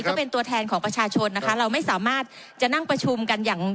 ก็เป็นตัวแทนของประชาชนนะคะเราไม่สามารถจะนั่งประชุมกันอย่าง